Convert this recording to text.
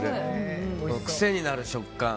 癖になる食感。